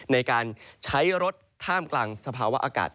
ในการใช้รถท่ามกลางสภาวะอากาศ